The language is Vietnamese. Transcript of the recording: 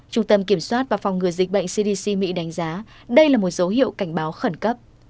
trung tâm kiểm soát và phòng ngừa dịch bệnh cdc mỹ đánh giá đây là một dấu hiệu cảnh báo khẩn cấp